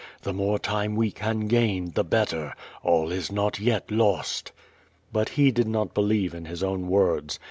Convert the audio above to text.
The more time we can gain, the better. All is not yet lost." But he did not believe in his own words.